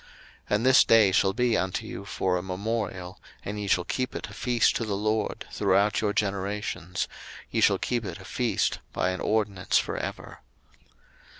02:012:014 And this day shall be unto you for a memorial; and ye shall keep it a feast to the LORD throughout your generations; ye shall keep it a feast by an ordinance for ever.